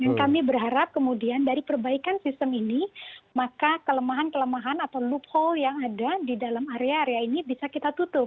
kami berharap kemudian dari perbaikan sistem ini maka kelemahan kelemahan atau loophole yang ada di dalam area area ini bisa kita tutup